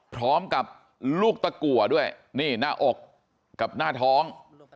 พร้อมกับลูกตะกัวด้วยนี่หน้าอกกับหน้าท้อง